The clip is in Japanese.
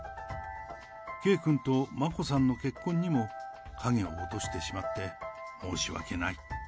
圭君と眞子さんの結婚にも影を落としてしまって、申し訳ない。